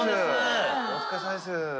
お疲れさまです